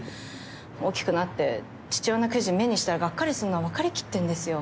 大きくなって父親の記事を目にしたらがっかりするのはわかりきってるんですよ。